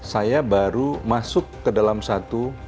saya baru masuk ke dalam aplikasi ini